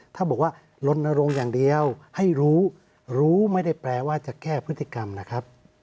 ถ้าบอกว่าลนรงค์อย่างเดียวให้รู้รู้ไม่ได้แปลว่าจะแก้พฤติกรรมนะครับ